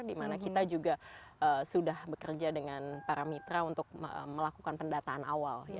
dimana kita juga sudah bekerja dengan para mitra untuk melakukan pendataan awal